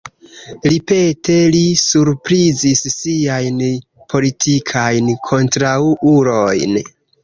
Ripete li surprizis siajn politikajn kontraŭulojn.